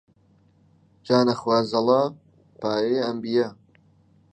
جا نەخوازەڵا پایەی ئەنبیا